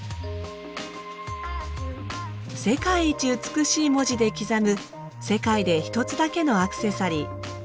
世界一美しい文字で刻む世界で一つだけのアクセサリー。